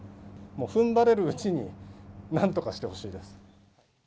ふんばれるうちになんとかしてほしいです。